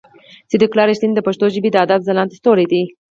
صديق الله رښتين د پښتو ژبې د ادب ځلانده ستوری دی.